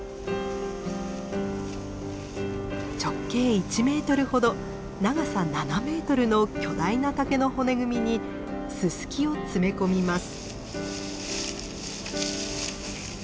直径１メートルほど長さ７メートルの巨大な竹の骨組みにススキを詰め込みます。